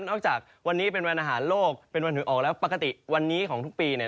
จากวันนี้เป็นวันอาหารโลกเป็นวันหวยออกแล้วปกติวันนี้ของทุกปีเนี่ย